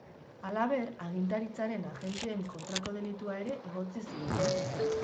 Halaber, agintaritzaren agenteen kontrako delitua ere egotzi zioten.